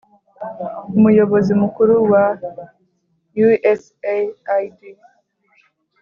umuyobozi mukuru wa usaid